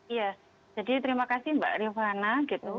iya jadi terima kasih mbak rifana gitu